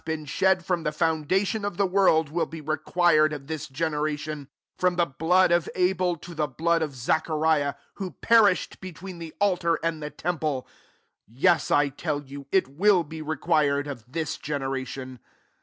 1st been shed from the foundation of the world, will be required of this generation : 51 from the blood of Abel to the blood of Zichariah) who perished be tween the altar and the temple :' yes, I tell yon, it wilt be re quired of this generation.